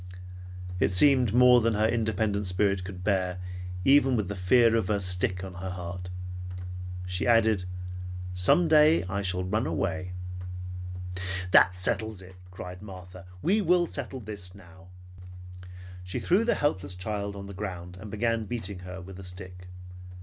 It seemed more than her independent spirit could bear even with the fear of the stick on her heart. She added, "Some day I shall ran away." "That settles it!" cried Martha. "We will settle this now!" She threw the helpless child on the ground and began beating her with the stick.